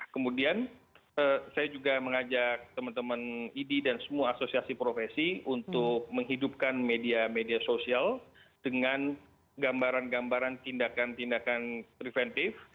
kemudian saya juga mengajak teman teman idi dan semua asosiasi profesi untuk menghidupkan media media sosial dengan gambaran gambaran tindakan tindakan preventif